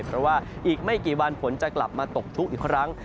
เพราะว่าอีกไม่กี่วันฝนจะกลับมาตกทุกข์อีกครั้ง